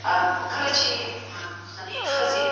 د ټایپنګ په ډګر کي اتل سئ.